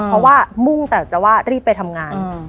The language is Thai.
เพราะว่ามุ่งแต่จะว่ารีบไปทำงาน